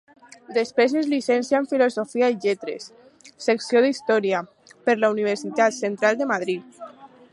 Després es llicencià en Filosofia i Lletres, Secció d'Història, per la Universitat Central de Madrid.